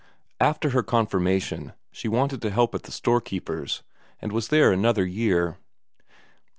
After her confirmation, she went to help at the storekeeper's, and was there another year.